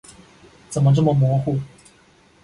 怎么这么模糊？